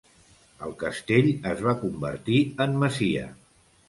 El castell es va convertir en masia.